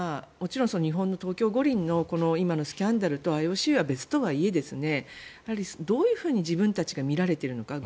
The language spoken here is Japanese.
もちろん東京五輪のスキャンダルとＩＯＣとはいえどう自分たちが見られているのか。